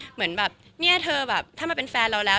เหมือนแบบเนี่ยเธอแบบถ้ามาเป็นแฟนเราแล้ว